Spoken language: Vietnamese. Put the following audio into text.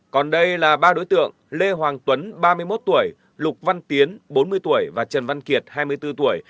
còn đây là ba đối tượng lê hoàng tuấn ba mươi một tuổi lục văn tiến bốn mươi tuổi và trần văn kiệt hai mươi bốn tuổi